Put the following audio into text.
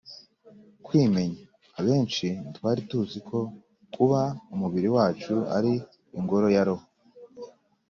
kwimenya: abenshi ntitwari tuzi ko kuba umubiri wacu ari ingoro ya roho